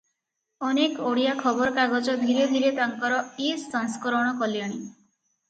ଅନେକ ଓଡ଼ିଆ ଖବରକାଗଜ ଧୀରେ ଧୀରେ ତାଙ୍କର ଇ-ସଂସ୍କରଣ କଲେଣି ।